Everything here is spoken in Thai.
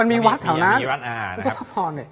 มันมีวัดเท่านั้นพระทศพรเนี่ย